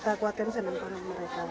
kita kuatkan senang karena mereka